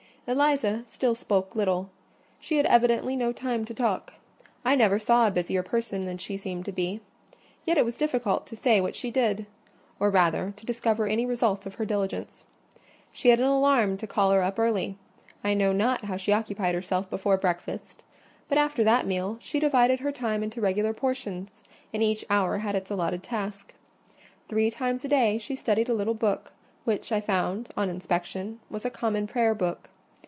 Eliza still spoke little: she had evidently no time to talk. I never saw a busier person than she seemed to be; yet it was difficult to say what she did: or rather, to discover any result of her diligence. She had an alarm to call her up early. I know not how she occupied herself before breakfast, but after that meal she divided her time into regular portions, and each hour had its allotted task. Three times a day she studied a little book, which I found, on inspection, was a Common Prayer Book.